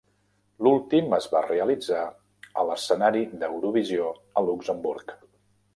L'últim es va realitzar a l'escenari d'Eurovisió a Luxemburg.